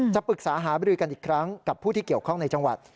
จะปรึกษาหาบริกันอีกครั้งกับผู้ที่เกี่ยวข้องในจังหวัด